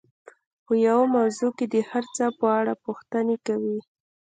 په يوه موضوع کې د هر څه په اړه پوښتنې کوي.